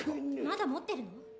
まだ持ってるの？